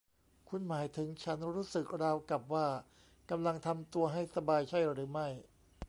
คุณหมายถึงฉันรู้สึกราวกับว่ากำลังทำตัวให้สบายใช่หรือไม่